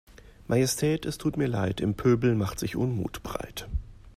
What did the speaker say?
Majestät es tut mir Leid, im Pöbel macht sich Unmut breit.